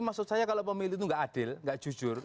maksud saya kalau pemilih itu nggak adil nggak jujur